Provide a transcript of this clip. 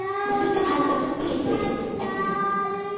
The system has successfully reduced accidents.